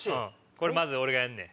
これまず俺がやんねん。